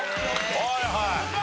はいはい。